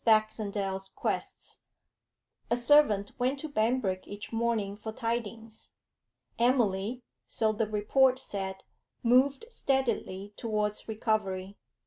BAXENDALE'S QUESTS A servant went to Banbrigg each morning for tidings; Emily, so the report said, moved steadily towards recovery.